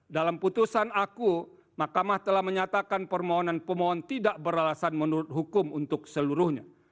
dalam putusan aku mahkamah telah menyatakan permohonan pemohon tidak beralasan menurut hukum untuk seluruhnya